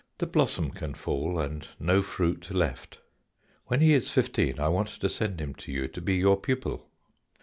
The blossom can fall and no fruit left. When he is fifteen I want to send him to you to be your pupil."